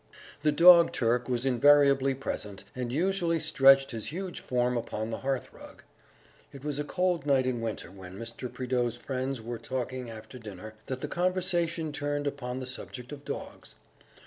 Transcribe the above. The dog Turk was invariably present, and usually stretched his huge form upon the hearth rug. It was a cold night in winter, when Mr. Prideaux's friends were talking after dinner, that the conversation turned upon the subject of dogs.